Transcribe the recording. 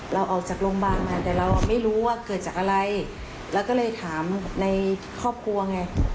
ออกจากโรงพยาบาลมาแต่เราไม่รู้ว่าเกิดจากอะไรเราก็เลยถามในครอบครัวไง